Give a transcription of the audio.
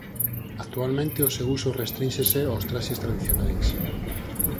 Actualmente o seu uso restrínxese aos traxes tradicionais.